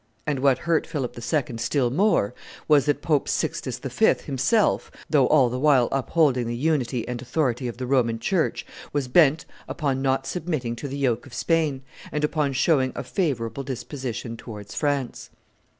And what hurt Philip II. still more was, that Pope Sixtus V. himself, though all the while upholding the unity and authority of the Roman church, was bent upon not submitting to the yoke of Spain, and upon showing a favorable disposition towards France.